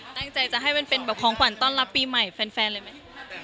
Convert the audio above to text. ตั้งใจจะให้มันเป็นแบบของขวัญต้อนรับปีใหม่แฟนเลยไหม